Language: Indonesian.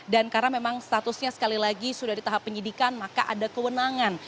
dan karena memang statusnya sekali lagi sudah di tahap penyidikan maka ada kewenangan